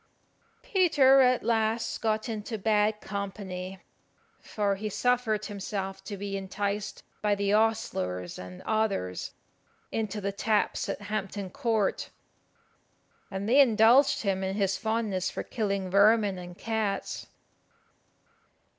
Peter at last got into bad company, for he suffered himself to be enticed by the ostlers and others into the taps at Hampton Court, and they indulged him in his fondness for killing vermin and cats.